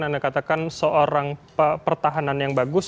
anda katakan seorang pertahanan yang bagus